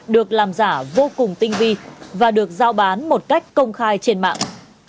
được làm giả vô cùng tinh vi và được giao bán một cách công khai trên mạng